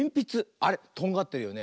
あれとんがってるよね。